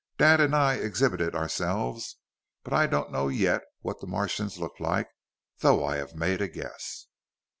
Dad and I exhibited ourselves, but I don't know yet what the Martians look like though I have made a guess.